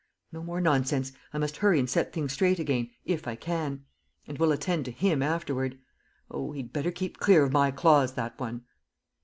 ... No more nonsense. ... I must hurry and set things straight again, if I can. ... And we'll attend to 'him' afterward. ... Oh, he'd better keep clear of my claws, that one!"